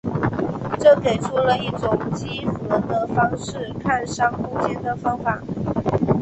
这给出了以一种几何的方式看商空间的方法。